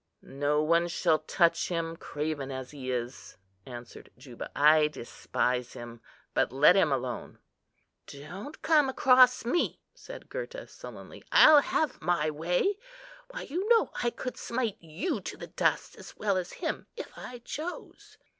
"No one shall touch him, craven as he is," answered Juba. "I despise him, but let him alone." "Don't come across me," said Gurta, sullenly; "I'll have my way. Why, you know I could smite you to the dust, as well as him, if I chose."